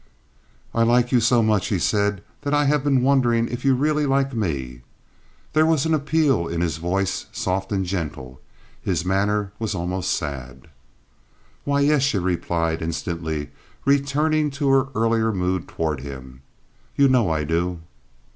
"I like you so much," he said, "that I have been wondering if you really like me." There was an appeal in his voice, soft and gentle. His manner was almost sad. "Why, yes," she replied, instantly, returning to her earlier mood toward him. "You know I do."